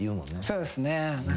そうですね。